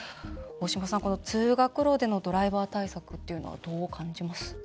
大島さん、この通学路でのドライバー対策っていうのはどう感じます？